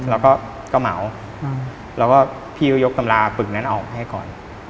แล้วก็ก็เหมาแล้วก็พี่ก็ยกตำราปึกนั้นออกให้ก่อน